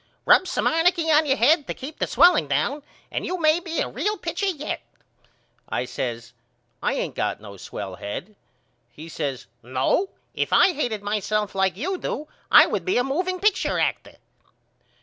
Rub some arnicky on your head to keep the swelling down and you may be a real pitcher yet. I says I ain't got no swell head. He says No. If I hated myself like you do I would be a moveing picture actor.